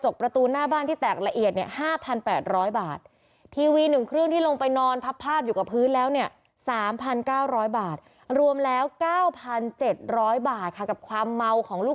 กูจะไปฆ่ามันกูจะไปฆ่า